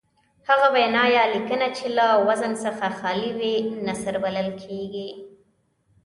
هغه وینا یا لیکنه چې له وزن څخه خالي وي نثر بلل کیږي.